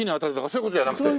そういう事じゃなくて。